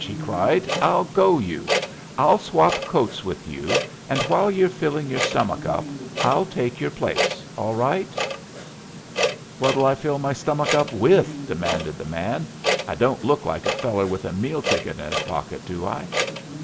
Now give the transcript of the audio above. he cried. "I'll go you. I'll swap coats with you, and while you're filling your stomach up I'll take your place, all right." "What'll I fill me stomach up with?" demanded the man. "I don't look like a feller with a meal ticket in his pocket, do I?"